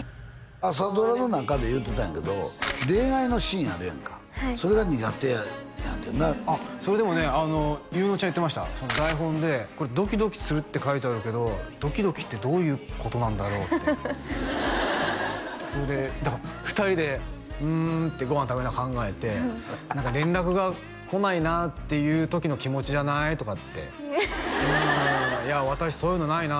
朝ドラの中で言うてたんやけど恋愛のシーンあるやんかそれが苦手やねんてなそれでもね優乃ちゃん言ってました台本で「ドキドキする」って書いてあるけどドキドキってどういうことなんだろうってそれで２人で「うん」ってご飯食べながら考えて「連絡が来ないなっていう時の気持ちじゃない？」とかって「うんいや私そういうのないな」